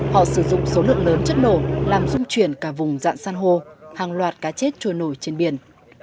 họ sử dụng số lượng lớn chất nổ làm dung chuyển cả vùng dạng san hô hàng loạt cá chết trôi nổi trên biển